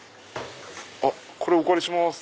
これお借りします。